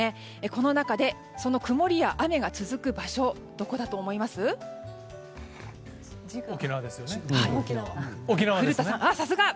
この中で曇りや雨が続く場所どこだと思います？